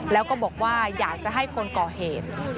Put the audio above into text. แล้วก็บอกว่าอยากจะให้คนก่อเหตุ